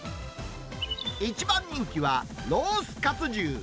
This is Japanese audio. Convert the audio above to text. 一番人気は、ロースかつ重。